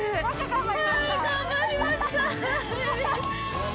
頑張りました！